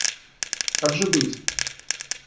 Как же быть?